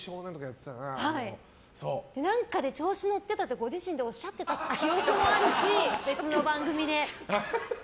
何かで調子乗ってたってご自身でおっしゃってた記憶もあるし、別の番組で。